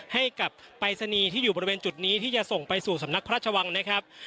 ให้กับปรายศนีย์ที่อยู่บริเวณจุดนี้ที่จะส่งไปสู่สำนักพระราชวังนะครับ